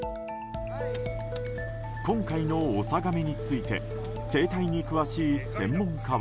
今回のオサガメについて生態に詳しい専門家は。